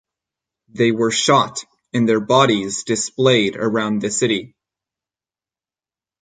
They were shot and their bodies displayed around the city.